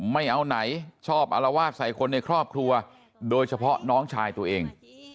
ไม่เอาไหนชอบอารวาสใส่คนในครอบครัวโดยเฉพาะน้องชายตัวเอง